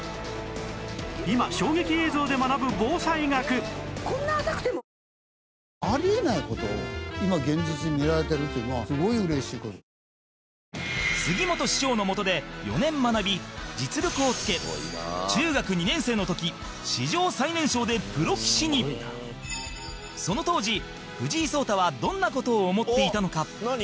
新しくなった杉本師匠のもとで４年学び実力をつけ中学２年生の時史上最年少でプロ棋士にその当時、藤井聡太はどんな事を思っていたのか？